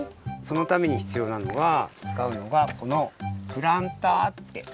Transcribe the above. そのためにひつようなのが使うのがこのプランターって。